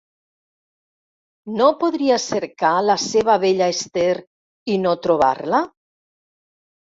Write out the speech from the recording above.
No podria cercar la seva vella Esther i no trobar-la?